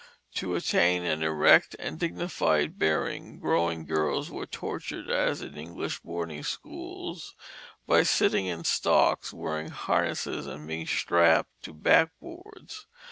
To attain an erect and dignified bearing growing girls were tortured as in English boarding schools by sitting in stocks, wearing harnesses, and being strapped to backboards.